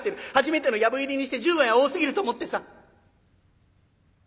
初めての藪入りにして１５円は多すぎると思ってさ」。